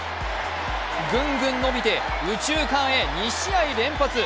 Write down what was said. ぐんぐん伸びて右中間へ２試合連発。